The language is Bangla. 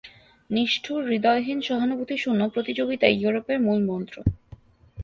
নিষ্ঠুর, হৃদয়হীন, সহানুভূতিশূন্য প্রতিযোগিতাই ইউরোপের মূলমন্ত্র।